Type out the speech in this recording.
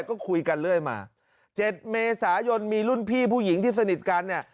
ก็คุยกันเรื่อยมา๗เมษายนมีรุ่นพี่ผู้หญิงที่สนิทกันเนี่ย